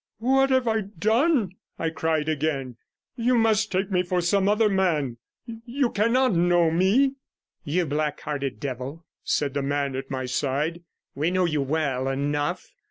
'What have I done?' I cried again. 'You must take me for some other man. You cannot know me.' 'You black hearted devil,' said the man at my side, 'we know you well enough.